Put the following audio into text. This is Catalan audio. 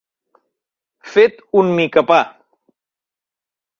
Fet un micapà.